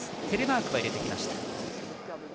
テレマークを入れてきました。